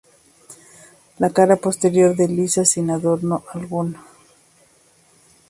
La cara posterior es lisa, sin adorno alguno.